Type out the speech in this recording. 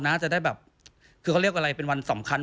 จะได้แบบคือเขาเรียกอะไรเป็นวันสำคัญ